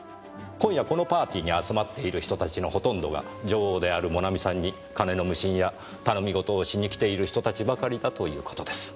今夜このパーティーに集まっている人たちのほとんどが女王であるモナミさんに金の無心や頼み事をしに来ている人たちばかりだという事です。